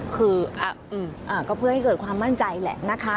คือก็เพื่อให้เกิดความมั่นใจแหละนะคะ